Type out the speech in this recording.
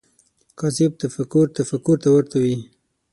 کاذب تفکر تفکر ته ورته وي